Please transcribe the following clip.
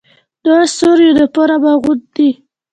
دوی سور یونیفورم اغوندي.